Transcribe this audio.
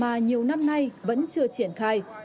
mà nhiều năm nay vẫn chưa triển khai